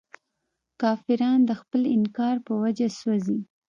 کافران د خپل انکار په وجه سوځي.